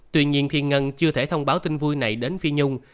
tuy nhiên khi ngân chưa thể thông báo tin vui này đến phi nhung